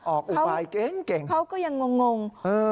อุบายเก่งเขาก็ยังงง